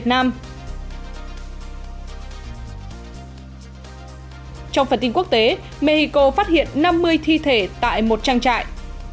trong phần tin quốc tế mexico phát hiện năm mươi thi thể tại một trang trại